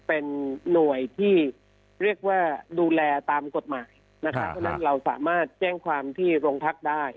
เป็นหน่วยที่เรียกว่าดูแลตามกฎหมายนะครับเพราะฉะนั้นเราสามารถแจ้งความที่โรงพักได้